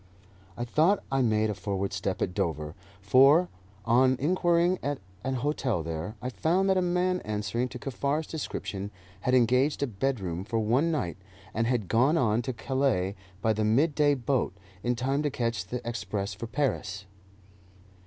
I thought I made a forward step at Dover, for, on inquiring at an hotel there, I found that a man answering to Kaffar's description had engaged a bedroom for one night, and had gone on to Calais by the midday boat, in time to catch the express for Paris.